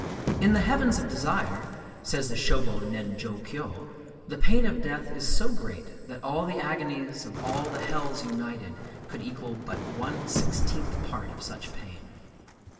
In the Heavens of Desire, says the Shōbō nen jō kyō, the pain of death is so great that all the agonies of all the hells united could equal but one sixteenth part of such pain.